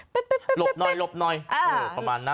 ปิ๊บ